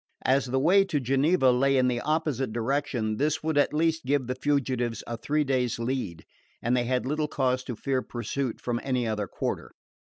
As the way to Geneva lay in the opposite direction this would at least give the fugitives a three days' lead; and they had little cause to fear pursuit from any other quarter.